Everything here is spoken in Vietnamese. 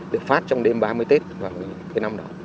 được phát trong đêm ba mươi tết vào cái năm đó